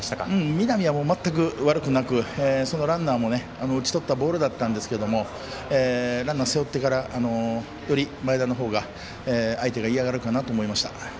南はまったく悪くなくボールも打ち取ったボールなんですがランナーを背負ってからより前田の方が相手が嫌がるかなと思いました。